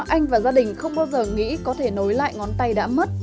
anh và gia đình không bao giờ nghĩ có thể nối lại ngón tay đã mất